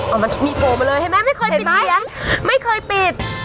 เอามันมีโทรมาเลยเห็นไหมไม่เคยปิดเสียงไม่เคยปิด